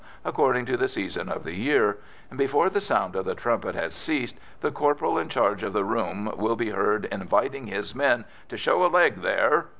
according to the season of the year, and, before the sound of the trumpet has ceased the corporal in charge of the room will be heard inviting his men to "Show a leg, there!"